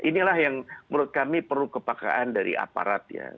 inilah yang menurut kami perlu kepakaan dari aparat ya